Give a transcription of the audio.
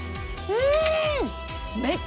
うん。